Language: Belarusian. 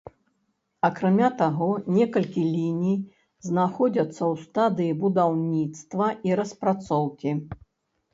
Акрамя таго некалькі ліній знаходзяцца ў стадыі будаўніцтва і распрацоўкі.